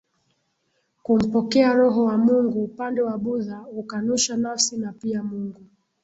kumpokea Roho wa Mungu Upande wa Buddha hukanusha nafsi na pia Mungu